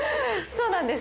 そうなんです。